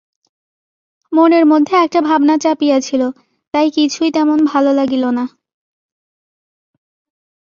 মনের মধ্যে একট ভাবনা চাপিয়া ছিল, তাই কিছুই তেমন ভাল লাগিল না।